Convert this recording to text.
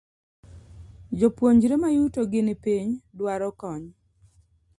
Jopuonjre mayuto gi ni piny dwaro kony.